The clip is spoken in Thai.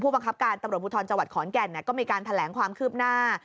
บังคับการตำรวจภูทรจังหวัดขอนแก่นก็มีการแถลงความคืบหน้า